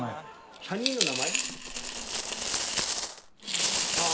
３人の名前？